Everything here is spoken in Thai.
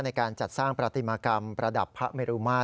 ในการจัดสร้างปฏิมาครรมประดับภะเมลูมาธ